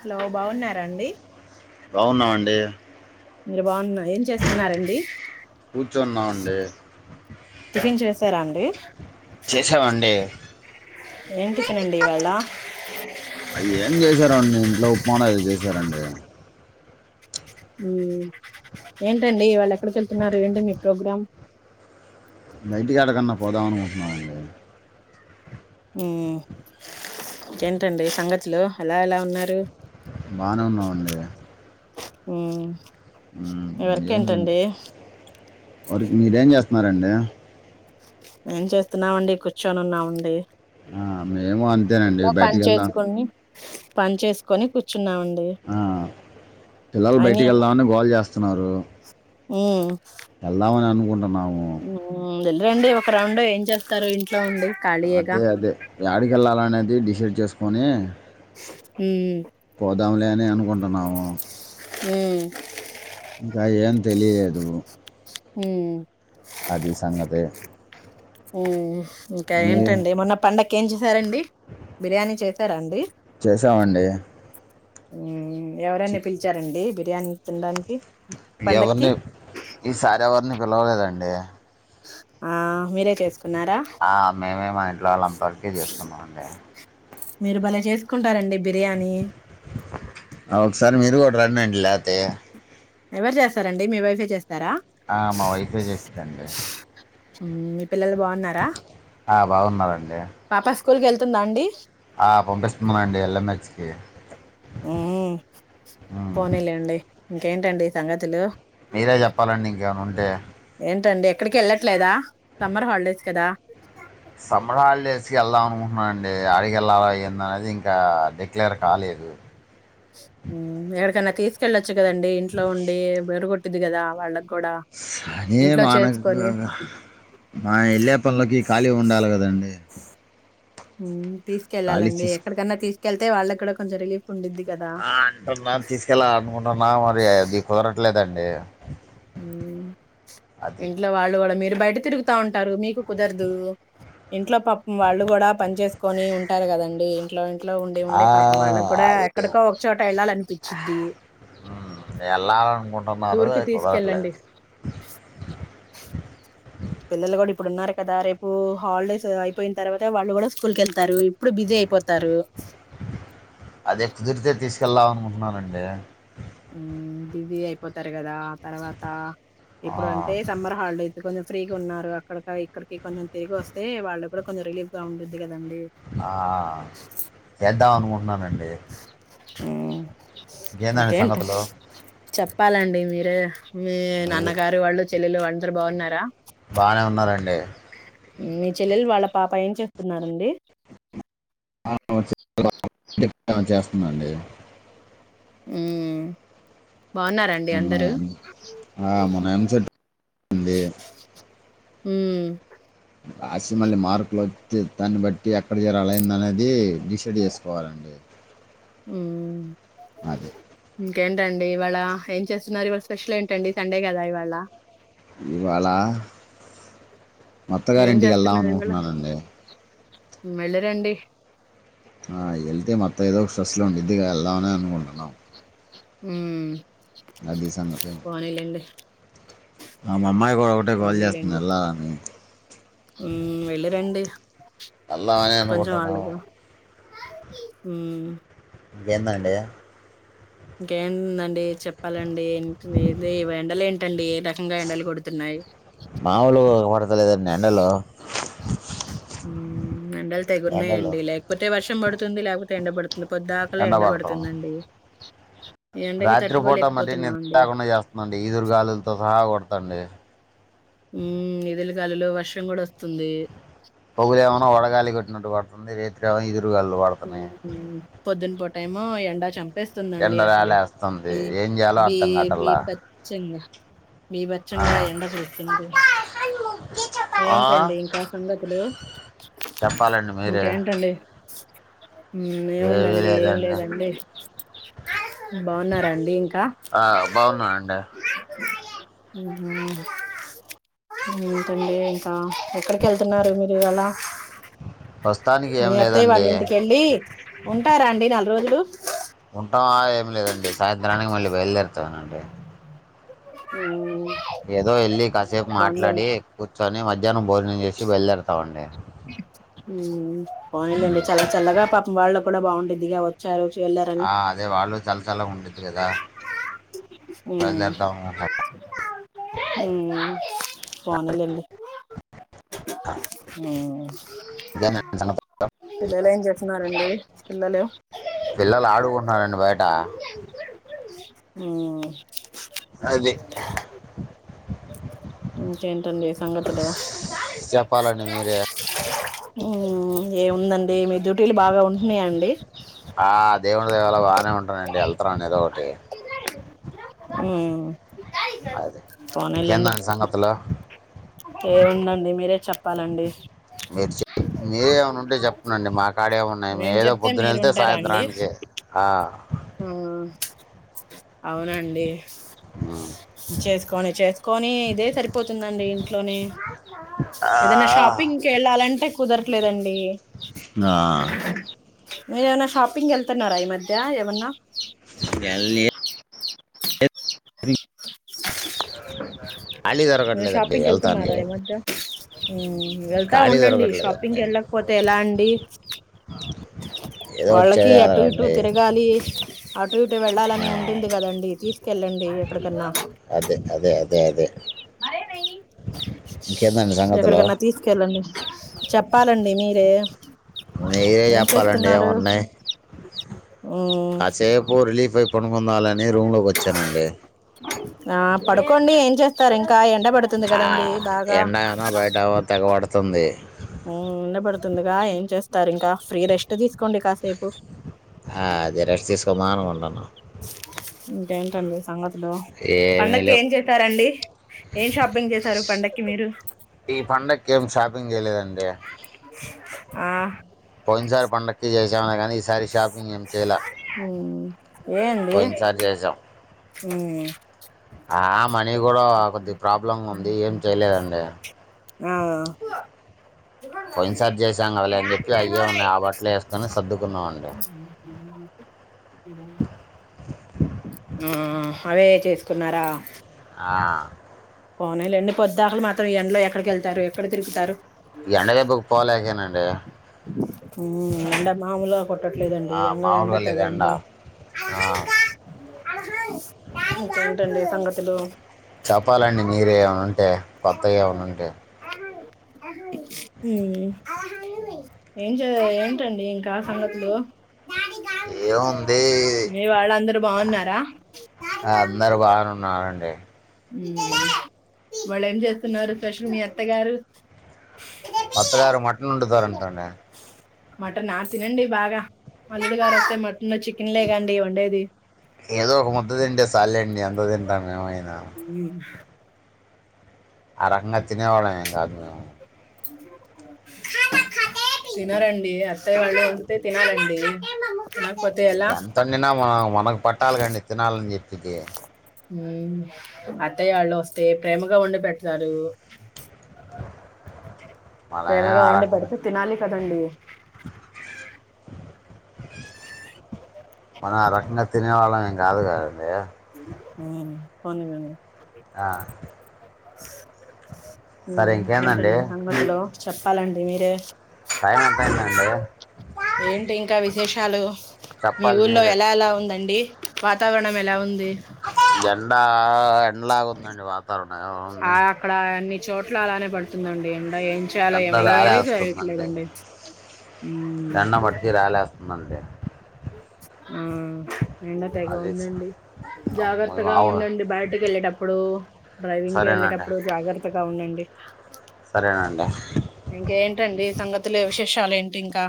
Hello బావున్నార అండి. బావున్నాం అండి‌. మీరు బావున్న ఏం చేస్తున్నారండి. ఇస్ కూర్చున్నామండి టిఫిన్ చేసారా అండి చేసామండి ఏం టిఫిన్ అండి ఇవాళ అయ్యి ఏం చేశారోండి ఇంట్లో ఉప్మానే ఏదో చేశారండి మ్మ్ ఏంటండి ఇవళ్ళ ఎక్కడికి వెళ్తున్నారు ఏంటి మీ ప్రోగ్రామ్ బయటికెడికన్నా పోదామనుకుంటున్నామండి మ్మ్ ఇంకేంటండి సంగతులు అలా ఎలా ఉన్నారు బానే ఉన్నామండి మ్మ్ మీ మ్మ్ వర్క్ ఏంజింగ్ ఏంటండి వేర్ మీరేం చేస్ న్నారండి ఏం చేస్తున్నామండి కూర్చొని ఉన్నామండి ఆ మేము అంతేనండి ఇంట్లో పని బయటకి వెళ్దాం చేసుకొని పని చేసుకొని కూర్చు ఆ పిల్లలు అయినా బయటికి వెళ్దామని గోళ చేస్తున్నారు మ్మ్ ఎల్దమని అనుకుంటున్నాం మ్మ్ వెల్లిరండి ఒక రౌండ్ ఏం చేస్తారు ఇం అదే అదే యాడికి ఏళ్ళాల అనేది డిసైడ్ చేసుకొని మ్మ్ మ్మ్ పోదాంలే అని అనుకుంటున్నాము మ్మ్ ఇంకా ఏం తెలియదు మ్మ్ మ్మ్ అది సంగతి మ్మ్ హ్మ్ ఇంకా మీ ఏంటండి మొన్న పండక్ ఇంకెంచేసారండి బిర్యానీ చేసారా అండి చేసామండి ఆ ఆమ్ ఎవర్ని పిలిచారండి బి యాన్ తిందం ఎవరిని ఈ సార్ ఎవరిని పిలవలేద అండి ఆ మీరే చేస్ ఆ మేమే మా ఇంట్లో వాళ్ళు అంతవరకే చేసుకున్నామ అండి మీరు బలే చేసుకుంటారండి బిర్యానీ ఒకసారి మీరు పర్మినెంట్ లేతే ఎవరు చేస్తారండి మీ వైఫే చేస్తా అ మా చేస్తందండి ఊ పిల్లలు బాగున్నారా ఆ బాగున్నారండి పాప స్కూ స్కూల్కి వెళ్తుందా అండి ఆ పంపిస్తున్నానండి ఎల్ఎంహెచ్కి ఉ ఉమ్ పోనీలేండి ఇంకేంటండి సంగతులు మీరే చెప్పాలండి ఇంకేమనా ఉంటే ఏంటండి ఎక్కడికి వెళ్ళట్లేదా సమ్మర్ హాలిడేస్ కదా మా అండి అడికెల్లాల ఏంది అనేది ఇంకా డిక్లేర్ కాలేదు ఎడకన్నా తీసుకెళ్ళచు వచ్చు కదండి ఇంట్లో ఉండి [unintelligible] ది కదా వాళ్ళకు అదే మానకు మా వెళ్ళే పనులోకి ఖాళీ ఉండాలి కదండి ఊ ఖాళీ తీసుకెళ్ళాలండి చేసు ఎక్కడికన్నా తీసు కేళ్తే వాళ్ళకు కూడా కొంచం రిలీఫ్ ఉండిద్ది కదా ఆ అంటు నను తీసుకెళ్ళాలి అనుకుంటున్నా మరి అది కుదరట్లేదండి అంటే ఊ ఇంట్లో వాళ్ళు వాళ మీరు మీరు బయట తిరుగుతా ఉంటారు మీకు కుదరదు ఇంట్లో పాపం వాళ్ళు కూడా పని చేేసుకుని ఉంటారు కదండి ఇంట్లో ఇంట్లో ఉండి ఆ ఉండి పాపం వాళ్ళకి కూడా అది ఎక్కడికో ఒక చోట డ వెళ్ళాలనిపించింద్ది ఉమ్, వెళ్ళాలనుకుంటున్నారు టూర్ కి అది తీసుకెళ్ళండి కుదరట్లేదు పిల్లలు కూడా ఇప్పుడు ఉన్నారు కదా రేపు హాలిడేస్ అయిపోయిన తర్వాత వాళ్ళ కూడా స్కూల్ కు వెళ్తారు ఇప్పుడు బిజీ అయిపో అదే కుదిరీతే తీసి కెళ్ళా అనుకుంటున్నానండి ఉమ్ బిజీ అయిపోతారు కదా తర్వాత ఆ, ఇప్పుడు అంటే సమ్మర్ హాలిడే ఇప్పుడు కొంచెం ఫ్రీగా ఉన్నారు అక్కడక ఇక్కడక ఈ కొంచం తిరిగి వస్తే వాళ్ళకు మీకు కూడా కొంచెం రిలీఫ్ గా ఉండింద్దిగా ఆ ఏద్దామనుకు నా మేడ్ డి హ్మ్ ఇంకేందండి ఇంకేంటి సంగతు చెప్పాలండి మీరే మీ నాన్నగారు వాళ్ళు చెల్లెలు అందరు బావున్నారా బానే ఉన్నారండి మీ చెల్లెలు వాళ్ళ పాప ఏం చేస్తున్నారండి ఆ చేస్తుందండి ఊ బాగున్నారండి మొన్న అందరూ ఆ, మొన్న ఎంసెట్ ఉంది ఊ రాసి మళ్ళీ మార్కులు వచ్చే దాన్ని బట్టి ఎక్కడి చేరలా అనేది డిసైడ్ చేసుకోవాలండి ఉ అదే కేంటండి ఇవాళ ఏం చేస్తున్నారు ఇవాళ స్పెషల్ ఏంటండి సండే కదా ఇవాళ ఈ వాళ మత్తగారి ఏం ఇంటికి వెళ్దాం అనుకుంటున్నానండి మెల్లి రాండి ఆ వెళ్తే మా అత్త ఏదో ఒక స్పెషల్ ఉండిద్దిగ వెళ్దామని అనుకుంటున్నాం మ్ ఉ అది సంగతి అండి ఆ మామ్మాయి ఒక ఒకటే గోల చేస్తుంది ఎల్లాల అని ఉ వెళ్ళిరండి వెళ్దామని కొంచెం అనుకుంటున్నాం వాళ్ళగా ఊ ఇంకే ఎందండి ఇంకేందండి చెప్పాలండి ఏది ఎండలేంటండి మాముూలు పడతలేదండి ఎండలు ఉ ఎండలు తెగ ఉన్నాయి ఎండలో అండి లేకపోతే వర్షం వర్షంపడుంది లేకపోతే ఎండబడుతుంది ఇ పొద్ద్దాకలే ఎండ పడతాం ఎండబడుతుందండి రాత్రిపూట మరీ నిద్ర లేకుండా చేస్తుంది ఈదురు గాలుల్ తో రా కొడతండి ఉ ఇదిలికలిలో వర్షం కూడా వస్తుంది పొగులు ఏమైన్నా వడగాలి కొట్టినట్టు పడుతుంది రాత్రి ఏమో ఇదిరు పొదున్ ఎక్కువ టైమ్ ఎండా చం చంపేస్తుదండి. ఎండ అసలు రాలేస్తుంది ఈ ఏం చేయాలో బి అర్థం కాటల్లా బిభచ్చంగా బిభచ్చంగా ఎండ కుడుతుంది. ఆ? ఏంటండి ఇంకా సంగతులు చెప్పాలండి మీరే ఇంకేంటండి. ఏముందండి. ఏం లేదండి బాగున్నారండి. ఇంకా ఆ బాగున్నానండి ఏంటండి ఇంకా ఎక్కడికి వెళ్తున్నారు. మీరు ఇవ్వాల ప్రస్తుతానికి మీ ఏం అత్తాయ్య లేదండి వాళ్ళ ఇంటికెళ్ళి ఉంటారండి. నాలుగు రోజులు ఉంటామా లేదండి. సాయంత్రానికి మళ్ళీ బయలుదేరుతానండి. ఉ ఏదో వెళ్ళి కాసేపు మాట్లాడి కూర్చొని మధ్యాహ్నం భోజనం చేసి బయలుదేరుతామండి. పోనీలేండి. చల్ల చల్లగా పాపం వాళ్ళ కూడా బాగుంటుదిగా వచ్చారు. వెళ్ళారని ఆ అదే వాళ్ళు చల చల్లగా ఉంటది లేదా హ్మ్ పోనీ లేండి ఇదేనండి సంగతి. పిల్లలు ఏం చేస్తూన్నారండి పిల్లలు పిల్లలు ఆడుకుంటున్నారండి. బయట హ్మ్ అది ఇంకేంటండి. సంగతులు చెప్పాలండి మీరే ఏమో ఏముందండి. మీ డ్యూటీలు బాగా ఉంటున్నాయండి. ఆ దేవుడు దయ వల బాగానే అట్నే ఉంటారండి. ఏళ్తారండి ఏదో ఒకటి ఉమ్ అదె ఇంకేందండి సంగతులు ఏం ఉందండి. మీరే చెప్పాలండి మీరు చెప్ మీరే ఏమనుం టే చేప్పండి మా కాడ ఏమున్ మేము మేం ఏదో చెప్తే పొద్దున వెళ్తే సాయంత్రానికి ఆ అవునా అవునండి ఉమ్. చేసుకోని చేసుకొని ఇదే సరిపోతుందండి ఇట్లోని ఆ, ఏదన్న షాపింగ్ కెళ్ళాలంటే కుదరట్లేదండి నా మీర ఏమైనా షాపింగ్ వెళ్తున్నారా ఈ మధ్య మన్న ఎల్ ఖాళీ మీరు దొరకట్లేదండి షాపింగ్ కి వెళ్తున్నారా వెళ్తానికి ఈ మధ్య హ్మ వెళ్తా ఖాళీ ఉండండి షాపింగ్ దొరకట్లేదండి కి వెళ్ళకపోతే ఎలా అండి ఏదో ఒకటి వాళ్ళకి అటు ఇటు చేయాలండి తిరగాలి అటు ఇటు ఆ, వెళ్ళాలని ఉంటుంది కదా అండి అదే అదే అదే అదే ఇంకేందండి సంగతులు ఎక్కడికన్నా తీసుకెళ్ళండి చెప్పాలండి మీరే మీరే ఏం చెప్పాలండి చేస్తున్నారు ఏమున్నాయి ఉమ్. కాసేపు రిలీఫ్ అయి పనుకుందామని రూమ్ లోకి వచ్చానండి సరే ఇంకా ఎండ పడుతుంది కదండీ బాగా [unintelligible] తెగబడుతుంది ఉమ్ ఎండ బడుతుందిగా ఏం చేస్తారు ఇంకా ఫ్రీ రెస్ట్ తీసుకోండి కాసేపు అదె రెస్ట్ తీసుకోమ్మా అనుకుంటున్నా ఇంకేంటండి సంగత్ హలో పండక్కి లేవు ఏం చేశారండి ఏం షాపింగ్ చేశారు పండక్కి మీరు ఈ పండక్కి [unintelligible] చేయలేదండి ఆ పోయిన సరి పండగక్కి చేసామొ గానీ ఈసారి షాపింగ్ ఏం చేయలా. ఉమ్ పోయిన్ సారి చేసాం. హుమ్మ్ ఆ మనీ కూడా కొద్ది ప్రాబ్లం ఉంది ఏం చేయలేదండి. పోయినసారి చేసాం కదలే అని చెప్పి అయ్యే ఉన్నాయి ఆ బట్టలు వేసుకొని నికిరే సర్దుకున్నామండి [inaudible] ఆ అవే చేసుకున్నారా. ఆ పోనిలెండి పొద్దకలు మాత్రం ఎండ్లో ఎక్కడికి వెళ్తారు ఎక్కడ తిరుగుతారు ఎండ దెబ్బకి పోలేకేనండి. ఉ ఎండమాముల. కొట్టట్లేదండి ఆ, ఎంగ వెండ మామూలుగా తెగ లేదు ఎండ ఉంది. ఆ, ఇంకేంటండి సంగతులు. చెప్పండి మీరే ఎం ఉంటే. కొత్తయి ఎవన ఉంటె. ఉం ఏంజెయ్య ఏంటండి ఇంకా సంగతులు. ఏముంది మీ వాళ్ళందరూ బాగున్నారా అందరు బావున్నారండి. వాళ్ళు ఏం చేస్తున్నారు ప్రసు మీ అత్తగారు. అత్తగారు మటన్ వండుతారంట అండి. మటన్ ఆ తినండి బాగా మల్లిపెల్లారు వస్తే మటన్ చికెన్లే కండివండేది. ఏదో ఒక ముద్ద తింటే చాల్లేండి. అంత తింతాం మేమైన్. ఉ ఆ రకంగా తినేవాళ్లం ఎంకాదు మేము. తినరండి అత్తయి వాళ్ళు వంతే తినాలండి. తినకపోతే ఎలా ఎంతిన తినా మనం మనకు పట్టాలి కాండి తినాలని చెప్పి. ఇదే ఉ అత్తయవాళ్ళు వస్తే ప్రేమగా వండి పెడతారు. మనమే ప్రేమగా ఆ వండి రకంగా పడితే తినాలి. కదండీ. మనం ఆ రకంగా తినే వాళ్ళం ఏం కాదు కదండి. ఉ పోనీలెండి. ఆ ఆ [inaudible] ఉ సరే ఇంకేందండి ఇంకేటండి సంగతులు చెప్. ప్పాలండి మీరే. టైమ్ ఎంతెందండి. ఏంటి ఇంకా విశేషాలు మీ చెప్పాలి ఊర్లో మీరే ఎలా ఎలా ఉందండి. వాతావరణం ఎలు ఉంది. ఎండా డి ఎండ్లావుందండి వాతావరణం. ఎలా ఆ ఉంది అక్కడ అన్ని చోట్ల అలానే పడుతుందండి. డ ఏం చేయాలో ఎండ ఏమో ఏమీ రాలేస్తుందండి చేయట్లేదండి. ఎండ మటికి రేలేస్ మందే మ్మ్ ఎండ తెగ అది ఉందండి అమ్మో, జాగ్రత్తగా ఆవు ఉండండి బయటకేళ్ళేటప్పుడు డ్రైవింగ్ కి సరేనండి వెళ్ళేటప్పుడు జాగ్రత్తగా ఉండండి సరేనండి ఇంకేంటండి సంగతులు విశే షాలు ఏంటి ఇంకా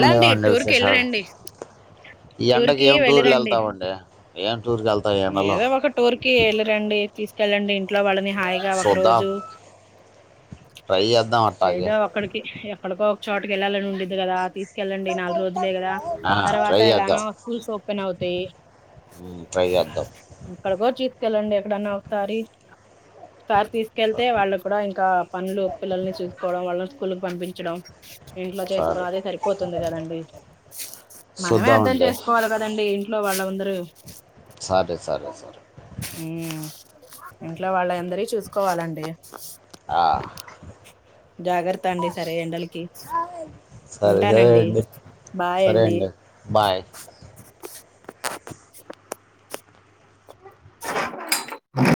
ఏం లేవండి టూర్ కి ఎల్లీ విశేషాలు రండి ఈ ఎండకి ఏం టూర్లు వెళ్తామండె ఏం టూర్కి వెళ్తాం ఈ ఎండలో ఏదో ఒక టూర్ కి ఎళ్ళి రండి కెళ్ళండి ఇంట్లో వాళ్లక్ అన్ని హాయిగా ఒక చూద్దాం రోజు ట్రై చేద్దాం అట్టాగే ఏదో ఒక్కడికి ఎక్కడికో చోటకి వెళ్ళాలని ఉండిది కదా కెళ్ళండి నాలుగు రోజులే కదా ఆ ట్రై తర్వాత చేద్దాం ఎలానో స్కూల్స్ ఓపెన్ అవుతాయ్ ఉమ్, ట్రై చేద్దాం క్కడకో జీత్ కెల్లండి ఎక్కడన్నా ఒక సారి సారి తీసుకెళ్తే సరే, వాళ్ళ కూడా ఇంకా పనులు పిల్లల్ని చూసుకోవడం వల్ల స్కూల్ కి పంపించడం ఇంట్లో సరే చేసుకోవడం అదే సరిపోతుంది కదండి మనమే అర్థం చూద్దామండి చేసుకోవాల కదండీ ఇంట్లో వాళ్ళ ద్రూ సరే సరే సరే మ్మ్ ఇంట్లో వాళ్ళై అందరి చూసుకోవాలండి ఆ జాగ్రత్తండి సరే ఎండలకి సరే సరే ఉంటానండి అండి సరే అండి బాయ్ [inaudible] ఆ